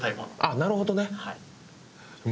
なるほどね！